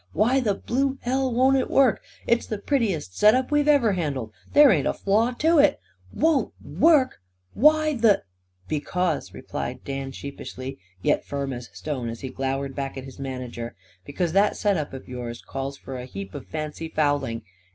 "Why the blue hell won't it work? It's the prettiest set up we've ever handled. There ain't a flaw to it. Won't work, hey? Why the " "Because," replied Dan sheepishly, yet firm as stone, as he glowered back at his manager, "because that set up of yours calls for a heap of fancy fouling.